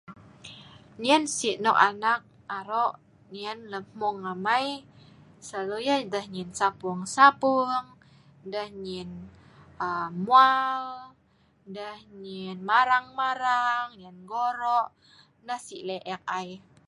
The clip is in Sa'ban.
Nyen si nok an anak-anak lem hmung amai ai, selalu(patau deh nyen sapung-sapung, deh nyen mwal, deh nyen marang-marang, nyen goro ,nah si lek ek ai.